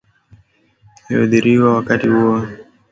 ioadhiriwa wakati wa huo mchafuko na kwa hivyo